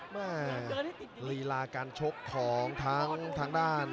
แม่รีลาการชกของทางด้าน